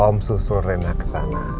om susul rena kesana